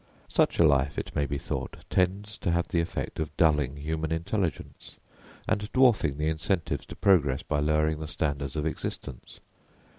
Such a life, it may be thought, tends to have the effect of dulling human intelligence and dwarfing the incentives to progress by lowering the standards of existence.